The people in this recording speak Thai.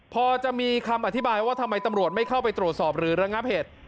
พอจะมีคำอธิบายว่าทำไมตำรวจไม่เข้าไปตรวจสอบหรือระงับเหตุ